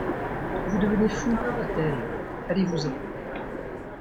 Vous devenez fou, dit-elle ; allez-vous-en. ..